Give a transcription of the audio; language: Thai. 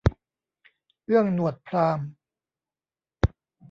เอื้องหนวดพราหมณ์